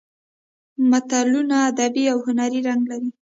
متلونه ادبي او هنري رنګ لري